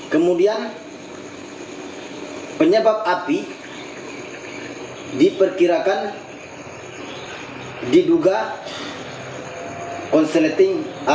kemudian penyebab api diperkirakan diduga korsleting listrik dari salah satu bangunan